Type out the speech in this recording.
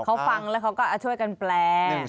เขาฟังแล้วเขาก็ช่วยกันแปล